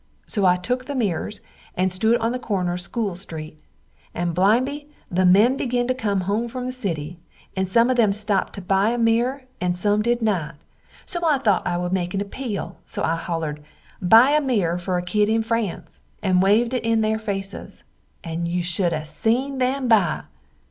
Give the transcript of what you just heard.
So I took the mirrors and stood on the corner of School street, and bimeby the men begin to come home from the city, and some of them stopt to buy a Mirror and some did not, so I thot I wood make an appeel so I hollered, Buy a Mirror fer a kid in France, and waived it in there faces, and you shood have seen them buy!